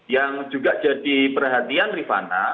yang juga jadi perhatian rifana